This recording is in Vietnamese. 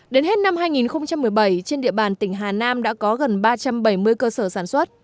đến hết năm hai nghìn một mươi bảy trên địa bàn tỉnh hà nam đã có gần ba trăm bảy mươi cơ sở sản xuất